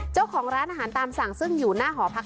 เจ้าของร้านอาหารตามสั่งซึ่งอยู่หน้าหอพัก